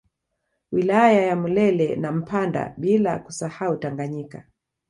Wilaya ya Mlele na Mpanda bila kusahau Tanganyika